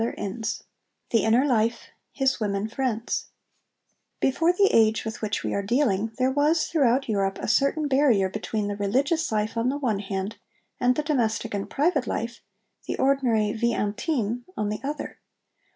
CHAPTER III THE INNER LIFE: HIS WOMEN FRIENDS Before the age with which we are dealing there was, throughout Europe, a certain barrier between the religious life on the one hand and the domestic and private life the ordinary vie intime on the other.